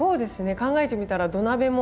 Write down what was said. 考えてみたら土鍋も。